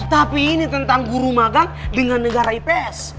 tapi ini tentang guru magang dengan negara ips